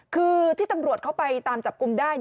คือที่ตำรวจเข้าไปตามจับกลุ่มได้